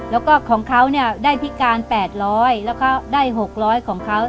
แล้วก็ของเขาเนี่ยได้พิการ๘๐๐แล้วก็ได้๖๐๐ของเขา